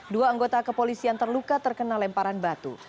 dua anggota kepolisian terluka terkena lemparan batu